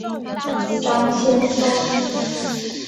张先松。